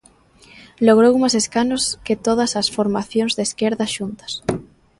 Logrou máis escanos que todas as formacións de esquerda xuntas.